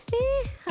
はい。